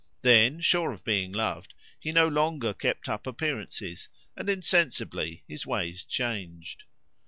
Then, sure of being loved, he no longer kept up appearances, and insensibly his ways changed.